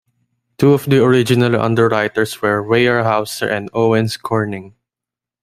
Two of the original underwriters were Weyerhauser and Owens-Corning.